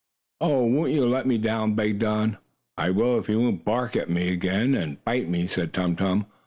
"Oh, won't you let me down?" begged Don. "I will, if you won't bark at me again, and bite me," said Tum Tum.